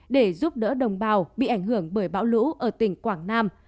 để giúp đỡ đồng bào bị ảnh hưởng bởi bão lũ ở tỉnh quảng nam